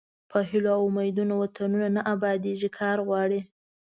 په هیلو او امیدونو وطنونه نه ابادیږي کار غواړي.